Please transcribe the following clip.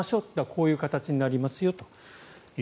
こういう形になりますよと。